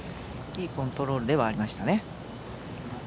いいコントロールではありましたね。